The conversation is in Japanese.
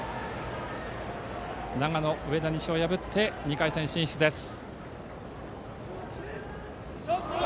長野・上田西を破って２回戦進出です。